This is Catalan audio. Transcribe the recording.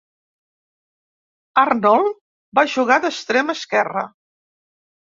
Arnold va jugar d'extrem esquerre.